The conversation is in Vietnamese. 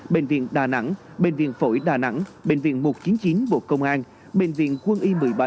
bệnh viện đà nẵng bệnh viện phổi đà nẵng bệnh viện một trăm chín mươi chín bộ công an bệnh viện quân y một mươi bảy